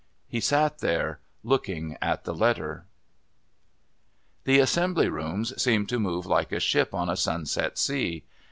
He sat there, looking at the letter.... The Assembly Rooms seemed to move like a ship on a sunset sea.